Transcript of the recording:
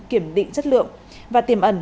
kiểm định chất lượng và tiềm ẩn